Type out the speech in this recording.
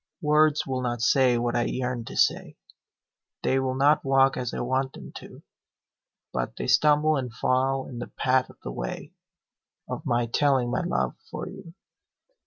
Words will not say what I yearn to say They will not walk as I want them to, But they stumble and fall in the path of the way Of my telling my love for you.